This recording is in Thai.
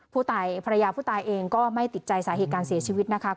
ภรรยาผู้ตายเองก็ไม่ติดใจสาเหตุการเสียชีวิตนะคะ